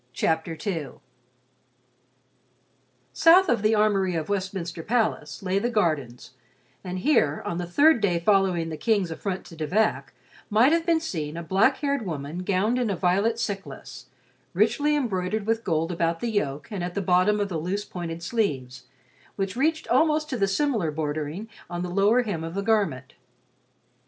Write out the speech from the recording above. CHAPTER II South of the armory of Westminster Palace lay the gardens, and here, on the third day following the King's affront to De Vac, might have been seen a black haired woman gowned in a violet cyclas, richly embroidered with gold about the yoke and at the bottom of the loose pointed sleeves, which reached almost to the similar bordering on the lower hem of the garment.